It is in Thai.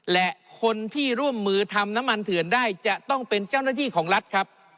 และคนที่ร่วมมือทำน้ำมันเถื่อนได้จะต้องเป็นเจ้าหน้าที่ของรัฐครับ